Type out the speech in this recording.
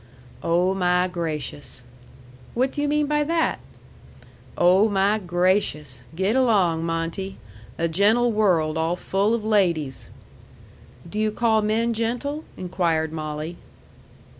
"Oh, my gracious!" "What do you mean by that?" "Oh, my gracious! Get along, Monte! A gentle world all full of ladies!" "Do you call men gentle?" inquired Molly.